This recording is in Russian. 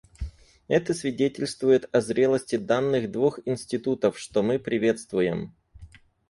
Это свидетельствует о зрелости данных двух институтов, что мы приветствуем.